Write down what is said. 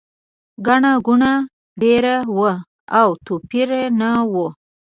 ګڼه ګوڼه ډېره وه او توپیر نه و.